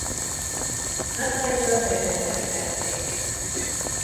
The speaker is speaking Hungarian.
Hawaiira betelepítették.